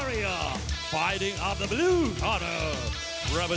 รัฐบราชิน